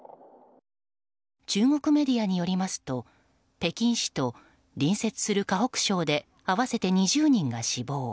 中国メディアによりますと北京市と隣接する河北省で合わせて２０人が死亡。